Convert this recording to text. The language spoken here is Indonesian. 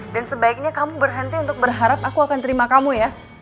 dan sebaiknya kamu berhenti untuk berharap aku akan terima kamu ya